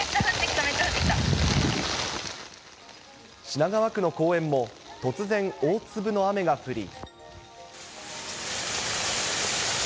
品川区の公園も突然、大粒の雨が降り。